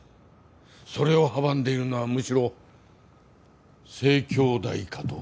それを阻んでいるのはむしろ西京大かと。